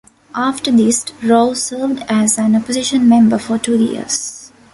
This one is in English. After this, Rowe served as an opposition member for two years.